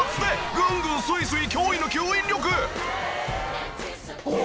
ぐんぐんスイスイ驚異の吸引力。